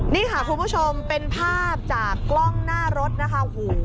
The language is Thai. นี่ค่ะคุณผู้ชมเป็นภาพจากกล้องหน้ารถนะคะโอ้โห